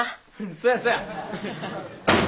そやそや。